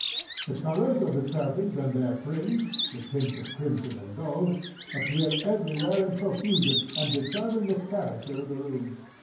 The colours of the curtains and their fringe—the tints of crimson and gold—appear everywhere in profusion, and determine the _character _of the room.